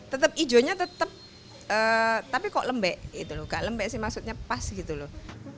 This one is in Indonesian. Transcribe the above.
tetep ijo nya tetep tapi kok lembek nggak lembek sih maksudnya pas gitu loh